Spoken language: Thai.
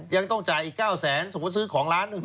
ยังต้องจ่ายอีก๙แสนสมมุติซื้อของล้านหนึ่ง